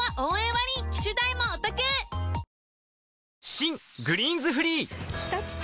新「グリーンズフリー」きたきた！